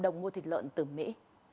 đồng mua thịt lợn từ mỹ